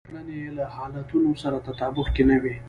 کړنې يې له حالتونو سره تطابق کې نه وي.